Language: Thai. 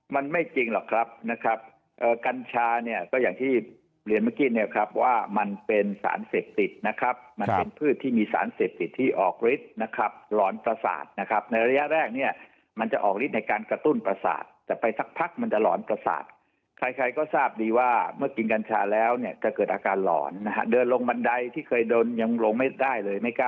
อ๋อมันไม่จริงหรอกครับนะครับกัญชาเนี่ยก็อย่างที่เรียนเมื่อกี้เนี่ยครับว่ามันเป็นสารเสพติดนะครับมันเป็นพืชที่มีสารเสพติดที่ออกฤทธิ์นะครับหลอนประสาทนะครับในระยะแรกเนี่ยมันจะออกฤทธิ์ในการกระตุ้นประสาทแต่ไปสักพักมันจะหลอนประสาทใครก็ทราบดีว่าเมื่อกินกัญชาแล้วเนี่ยจะเกิดอาก